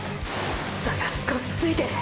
差が少しついてる！！